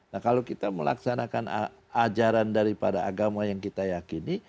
nah kalau kita melaksanakan ajaran daripada agama yang kita yakini